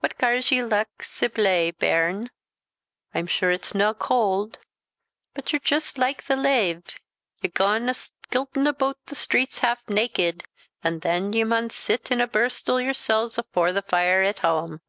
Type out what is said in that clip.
What gars ye luck sae blae, bairn? I'm sure it's no cauld; but ye're juste like the lave; ye gang aw skiltin aboot the streets half naked, an' than ye maun sit an' birsle yoursels afore the fire at hame."